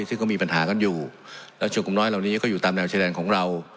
ซึ่งก็มีปัญหากันอยู่แล้วชุดกลุ่มน้อยเหล่านี้ก็อยู่ตามแนวชายแดนของเรา